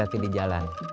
hati hati di jalan